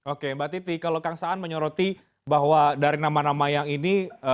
oke mbak titi kalau kang saan menyoroti bahwa dari nama nama yang ini